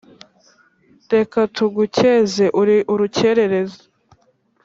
Reka tugukeze uri urukerereza